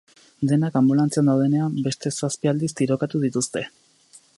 Denak anbulantzian daudenean, beste zazpi aldiz tirokatu dituzte.